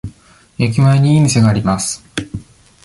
駅前にいい店があります。